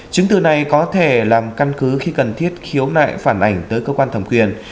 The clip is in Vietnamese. chứng từ này có thể làm căn cứ khi cần thiết khiếu nại phản ảnh tới cơ quan thẩm quyền